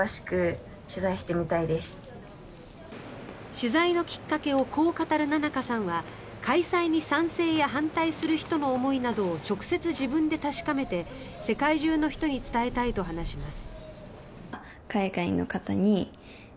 取材のきっかけをこう語るななかさんは開催に賛成や反対する人の思いなどを直接自分で確かめて世界中の人に伝えたいと話します。